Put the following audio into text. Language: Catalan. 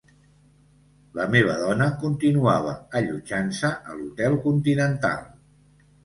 La meva dona continuava allotjant-se a l'Hotel Continental